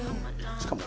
しかも。